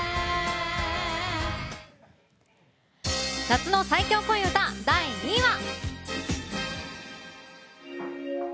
夏の最強恋うた第２位は。